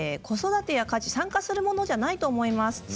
子育てや家事、参加するものじゃないと思います。